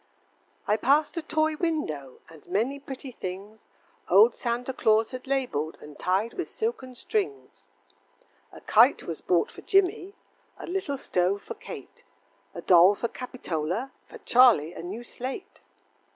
I passed a toy window, And many pretty things Old Santa Claus had labeled, And tied with silken strings. A kite was bought for Jimmie, A little stove for Kate, A doll for Capitola, For Charlie a new slate.